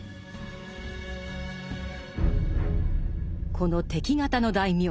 この敵方の大名